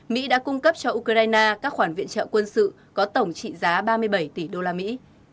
mỹ đã cung cấp cho ukraine các khoản viện trợ quân sự có tổng trị giá ba mươi bảy tỷ đô la mỹ